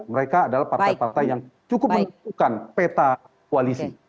mereka adalah partai partai yang cukup menentukan peta koalisi